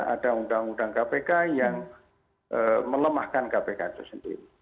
ada undang undang kpk yang melemahkan kpk itu sendiri